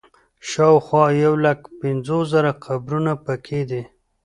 شاوخوا یو لک پنځوس زره قبرونه په کې دي.